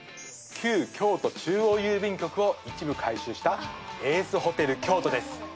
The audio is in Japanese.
旧京都中央郵便局を一部改修したエースホテル京都です。